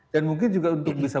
dan mungkin juga untuk bisa